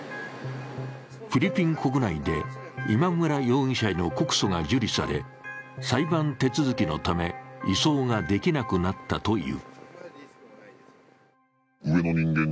フィリピン国内で今村容疑者への告訴が受理され裁判手続きのため移送ができなくなったという。